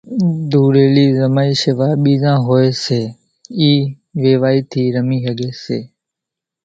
ڌوڙيلي زمائي شيوا ٻيران ھوئي سي اِي ويوائي ٿي رمي ۿڳي سي،